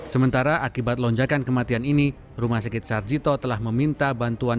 sementara akibat lonjakan kematian ini rumah sakit sarjito telah meminta bantuan